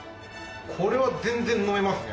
これは全然飲めますね。